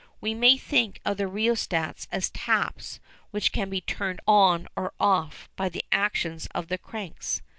We may think of the rheostats as taps which can be turned on or off by the action of the cranks.